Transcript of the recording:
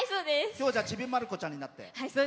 きょうは、じゃあちびまる子ちゃんになって。